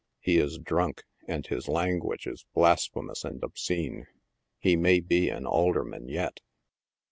He is drunk, and his language is blasphemous and obscene. He may be an alderman, yet.